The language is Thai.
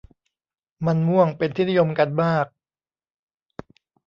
มันม่วงเป็นที่นิยมกันมาก